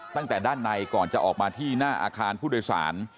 ตั้งแต่ด้านในก่อนจะออกมาที่หน้าอาคารผู้โดยสาร